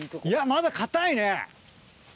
いやまだ硬いね